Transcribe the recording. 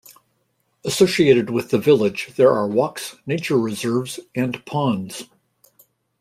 Associated with the village there are walks, nature reserves and ponds.